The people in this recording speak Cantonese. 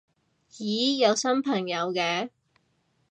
咦有新朋友嘅